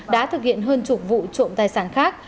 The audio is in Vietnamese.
đã thực hiện hơn chục vụ trộm tài sản khác